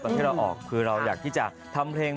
ที่เราออกคือเราอยากที่จะทำเพลง